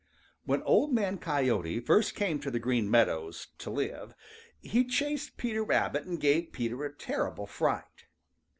|WHEN Old Man Coyote first came to the Green Meadows, to live, he chased Peter Rabbit and gave Peter a terrible fright.